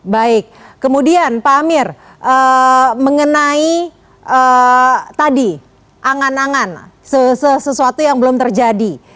baik kemudian pak amir mengenai tadi angan angan sesuatu yang belum terjadi